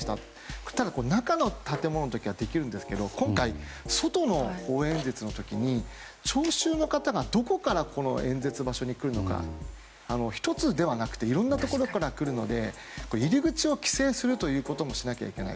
そして、中の建物の時はできるんですけど今回、外の応援演説の時に聴衆の方がどこから演説場所に来るのか１つではなくていろんなところから来るので入り口を規制することもしなきゃいけない。